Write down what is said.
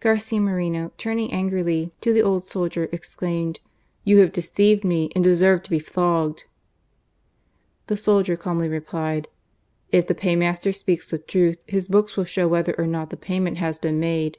Garcia Moreno, turning angrily to the old soldier, exclaimed, " You have deceived me, and deserved to be flogged !" The soldier calmly replied :" If the paymaster speaks the truth, his books will show whether or not the payment has been made."